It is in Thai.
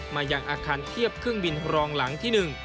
มายังอาคารเทียบเครื่องบินรองหลังที่๑